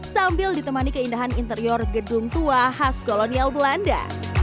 sambil ditemani keindahan interior gedung tua khas kolonial belanda